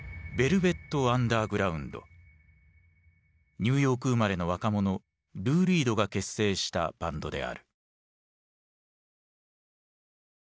ニューヨーク生まれの若者ルー・リードが結成したバンドである。